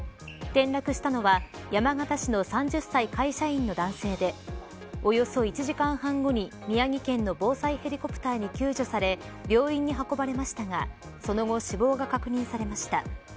転落したのは山形市の３０歳、会社員の男性でおよそ１時間半後に宮城県の防災ヘリコプターに救助され病院に運ばれましたが、その後死亡が確認されました。